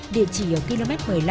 địa chỉ ở km một mươi năm